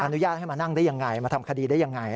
อนุญาตให้มานั่งได้ยังไงมาทำคดีได้ยังไง